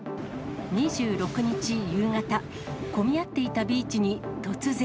２６日夕方、混み合っていたビーチに突然。